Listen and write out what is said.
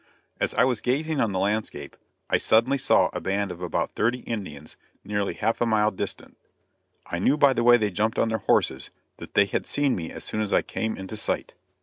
As I was gazing on the landscape, I suddenly saw a band of about thirty Indians nearly half a mile distant; I knew by the way they jumped on their horses that they had seen me as soon as I came into sight.